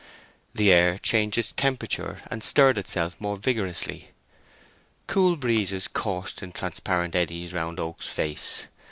The air changed its temperature and stirred itself more vigorously. Cool breezes coursed in transparent eddies round Oak's face.